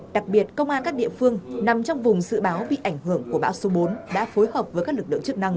đặc biệt công an các địa phương nằm trong vùng dự báo bị ảnh hưởng của bão số bốn đã phối hợp với các lực lượng chức năng